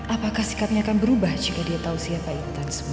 apakah sikapnya akan berubah jika dia tahu siapa intan sebenarnya